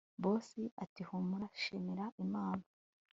Boss atihumura shimira Imana